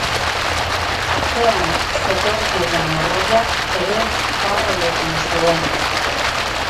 Atzean zetorkigun morroiak ere barre egin zuen.